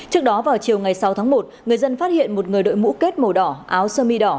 trước đó vào chiều ngày sáu tháng một người dân phát hiện một người đội mũ kết màu đỏ áo sơ mi đỏ